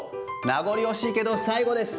名残惜しいけど最後です。